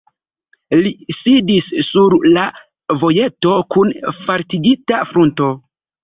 Li sidis sur la vojeto kun faltigita frunto.